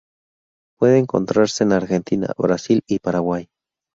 Puede encontrarse en Argentina, Brasil y Paraguay.